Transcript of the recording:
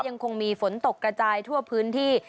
ยังคงมีฝนตกกระจายทั่วพื้นที่